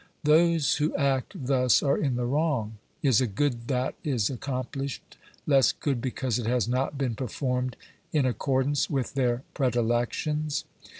Those who act thus are in the wrong ; is a good that is accomplished less good because it has not been performed in accordance wiih their predilections?